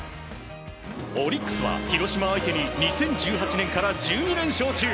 オリックスは広島相手に２０１８年から１２連勝中。